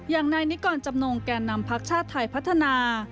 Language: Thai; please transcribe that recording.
อย่างนายนิกรจำนงแก่นำพักชาติไทยพัฒนา